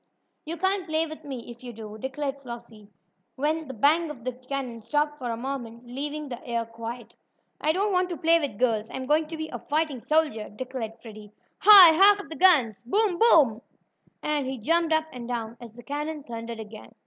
"You can't play with me if you do," declared Flossie, when the bang of the cannon stopped for a moment, leaving the air quiet. "I don't want to play with girls I'm going to be a fighting soldier!" declared Freddie. "Hi! Hark to the guns! Boom! Boom!" and he jumped up and down as the cannon thundered again.